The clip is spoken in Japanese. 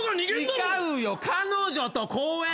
違うよ彼女と公園。